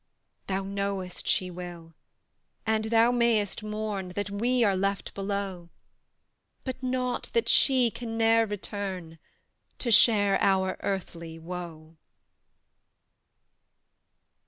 Thou knowest she will; and thou mayst mourn That WE are left below: But not that she can ne'er return To share our earthly woe.